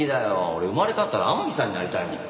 俺生まれ変わったら天樹さんになりたいもん。